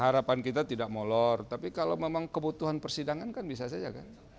harapan kita tidak molor tapi kalau memang kebutuhan persidangan kan bisa saja kan